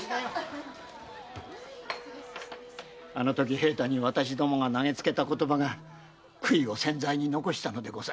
あのとき平太に私どもが投げつけた言葉が悔いを千載に残したのでございます。